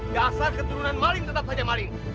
dasar keturunan maling tetap saja maling